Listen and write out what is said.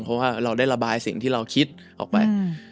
เพราะว่าเราได้ระบายสิ่งที่เราคิดออกไป